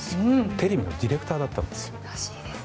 テレビのディレクターだったんです。